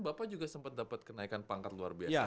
bapak juga sempat dapat kenaikan pangkat luar biasa